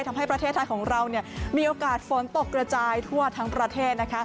ทำให้ประเทศไทยของเรามีโอกาสฝนตกกระจายทั่วทั้งประเทศ